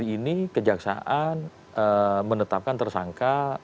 ini kejaksaan menetapkan tersangka